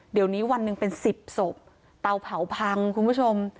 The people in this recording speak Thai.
เดี๋ยวนี้วันหนึ่งเป็นสิบศพเตาเผาพังคุณผู้ชม